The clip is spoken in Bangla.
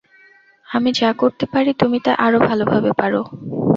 আমি যা করতে পারি, তুমি তা আরও ভালোভাবে পার।